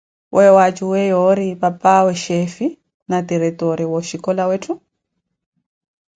Weeyo wa tjuwiye yoori papawe chefe na tiretore wa oxhicola weethu?